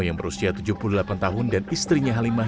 yang berusia tujuh puluh delapan tahun dan istrinya halimah